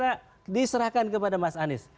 saya kira diserahkan kepada mas anies